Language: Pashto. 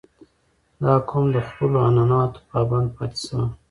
• دا قوم د خپلو عنعناتو پابند پاتې شوی.